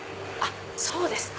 そうですね。